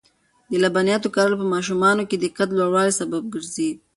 د لبنیاتو کارول په ماشومانو کې د قد د لوړوالي سبب ګرځي.